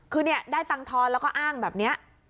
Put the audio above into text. คือเนี่ยได้ตังค์ทอนแล้วก็อ้างแบบนี้